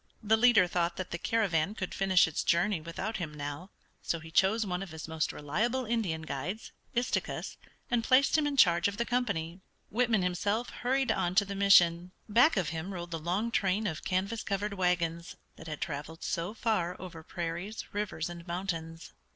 The leader thought that the caravan could finish its journey without him now, so he chose one of his most reliable Indian guides, Istikus, and placed him in charge of the company. Whitman himself hurried on to the mission. Back of him rolled the long train of canvas covered wagons that had traveled so far over prairies, rivers, and mountains.